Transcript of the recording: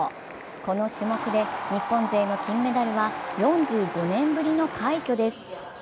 この種目で日本勢の金メダルは４５年ぶりの快挙です。